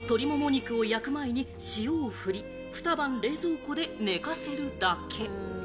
工程は鶏もも肉を焼く前に塩をふり、ふた晩、冷蔵庫で寝かせるだけ。